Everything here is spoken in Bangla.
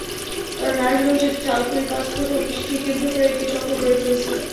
তাঁরা নারায়ণগঞ্জের জালকুড়ি পাসপোর্ট অফিসকে কেন্দ্র করে একটি চক্র গড়ে তুলেছিলেন।